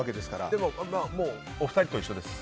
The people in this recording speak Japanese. でも、お二人と一緒です。